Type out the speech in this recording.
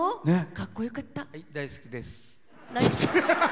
かっこよかった！